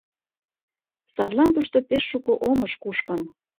Садлан тушто пеш шуко омыж кушкын.